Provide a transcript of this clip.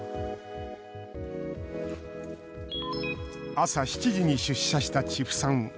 朝７時に出社した千布さん。